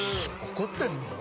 怒ってんの？